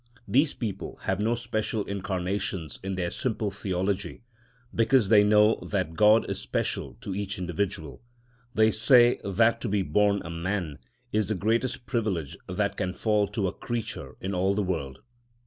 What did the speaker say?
These people have no special incarnations in their simple theology, because they know that God is special to each individual. They say that to be born a man is the greatest privilege that can fall to a creature in all the world.